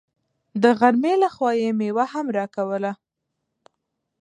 د غرمې له خوا يې مېوه هم راکوله.